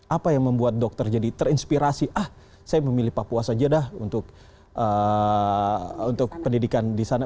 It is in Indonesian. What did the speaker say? apa yang membuat dokter jadi terinspirasi ah saya memilih papua saja dah untuk pendidikan di sana